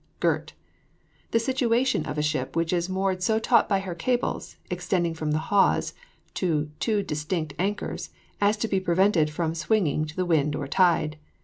GIRT. The situation of a ship which is moored so taut by her cables, extending from the hawse to two distant anchors, as to be prevented from swinging to the wind or tide.